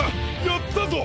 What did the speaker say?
やったぞ！